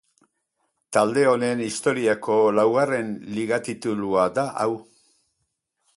Talde honen historiako laugarren liga titulua da hau.